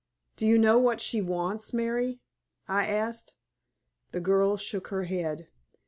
"Do you know what she wants, Mary?" I asked. The girl shook her head.